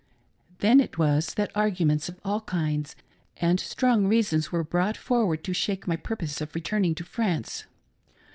Then it was that arguments of all kinds, and strong reasons were brought forward to shake my purpose of returning to •France.